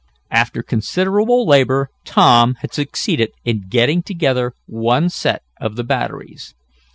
After considerable labor Tom had succeeded in getting together one set of the batteries.